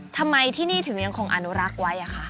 ทำไมที่นี่ถึงยังคงอนุรักษ์ไว้อะคะ